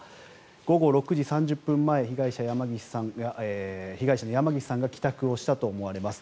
午後６時３０分前被害者の山岸さんが帰宅をしたと思われます。